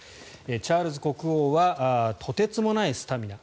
チャールズ国王はとてつもないスタミナ。